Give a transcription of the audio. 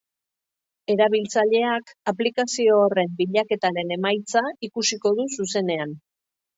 Erabiltzaileak aplikazio horren bilaketaren emaitza ikusiko du zuzenean.